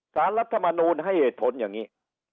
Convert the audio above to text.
รัฐมนูลให้เหตุผลอย่างนี้